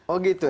oh gitu ya